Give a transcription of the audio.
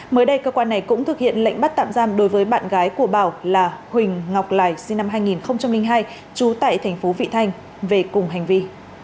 mới đây cơ quan này cũng thực hiện lệnh bắt tạm giam đối với bạn gái của bảo là huỳnh ngọc lài sinh năm hai nghìn hai trú tại thành phố vị thanh về cùng hành vi